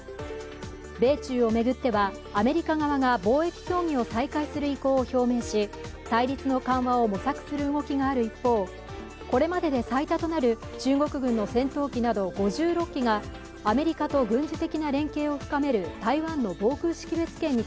米中を巡ってはアメリカ側が貿易協議を再開する意向を表明し対立の緩和を模索する動きがある一方これまでで最多となる中国軍の戦闘機など５６機がアメリカと軍事的な連携を深める台湾の防空識別圏に